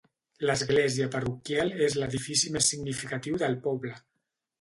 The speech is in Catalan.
L'església parroquial és l'edifici més significatiu del poble.